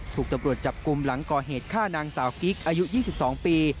ถูกตำรวจจับกลุ่มหลังก่อเหตุฆ่านางสาวกิ๊กอายุ๒๒ปี